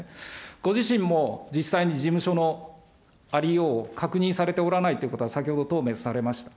ご自身も実際に事務所のありようを確認されておらないということは先ほど答弁されました。